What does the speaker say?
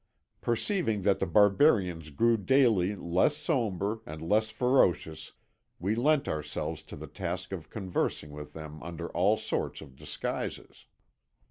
Perceiving that the barbarians grew daily less sombre and less ferocious, we lent ourselves to the task of conversing with them under all sorts of disguises.